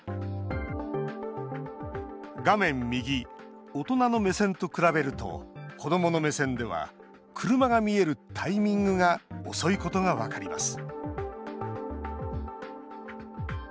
画面右、大人の目線と比べると子どもの目線では車が見えるタイミングが遅いことが分かります。